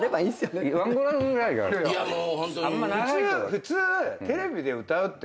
普通。